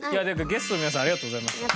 ゲストの皆さんありがとうございました。